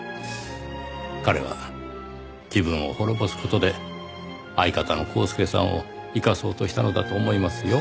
彼は自分を滅ぼす事で相方のコースケさんを生かそうとしたのだと思いますよ。